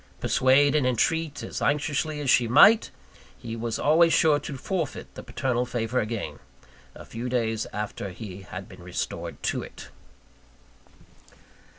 Persuade and entreat as anxiously as she might, he was always sure to forfeit the paternal favour again, a few days after he had been restored to it.